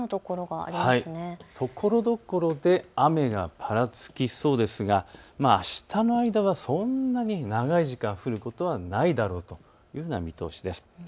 ところどころで雨がぱらつきそうですがあしたの間はそんなに長い時間、降ることはないだろうというふうな見通しです。